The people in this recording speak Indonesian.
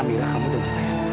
aminah kamu dengar saya